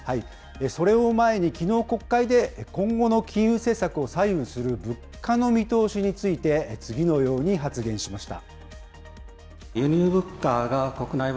それを前に、きのう、国会で今後の金融政策を左右する物価の見通しについて次のように発言しました。